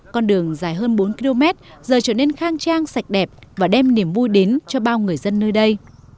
con đường dài hơn bốn km giờ trở nên khang trang sạch đẹp và đem niềm vui đến cho bao người dân nơi đây